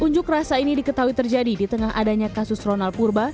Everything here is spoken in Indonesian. unjuk rasa ini diketahui terjadi di tengah adanya kasus ronald purba